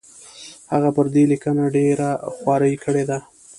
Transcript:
هغه پر دې لیکنه ډېره خواري کړې ده.